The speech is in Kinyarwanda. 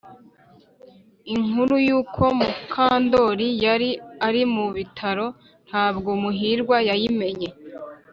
Inkuru y uko Mukandori yari ari mu bitaro ntabwo Muhirwa yayimenye